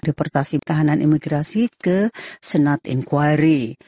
deportasi pertahanan imigrasi ke senat inquiry